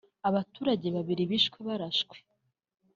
Abaturage babiri bishwe barashwe